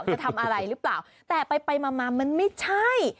จะทำอะไรหรือเปล่าแต่ไปมามันไม่ใช่